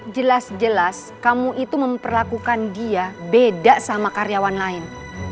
jelas jelas kamu itu memperlakukan dia beda sama karyawan lain